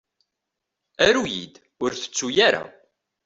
Aru-yi-d, ur tettuy ara!